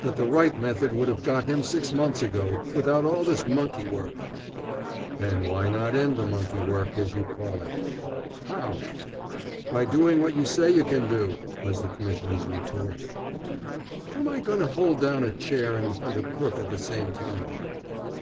"That the right method would've got him six months ago, without all this monkey work!" "Then why not end the monkey work, as you call it?" "How?" "By doing what you say you can do!" was the Commissioner's retort. "How'm I going to hold down a chair and hunt a crook at the same time?"